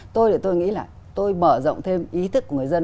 tôi nghĩ là tôi mở rộng thêm ý thức của người dân